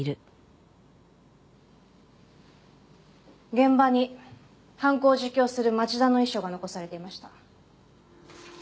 現場に犯行を自供する町田の遺書が残されていました。